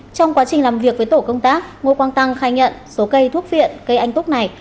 trong quá trình làm việc với tổ công tác ngô quang tăng khai nhận số cây thuốc viện cây anh túc này